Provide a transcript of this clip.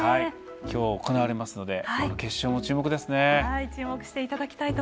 今日行われますので決勝も注目ですね。